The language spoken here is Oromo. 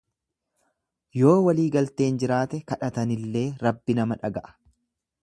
Yoo waliigalteen jiraate kadhatanillee Rabbi nama dhaga'a.